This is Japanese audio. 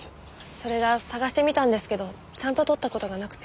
それが探してみたんですけどちゃんと撮った事がなくて。